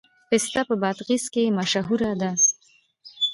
پسته په بادغیس کې مشهوره ده